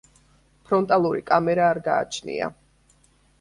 ფრონტალური კამერა არ გააჩნია.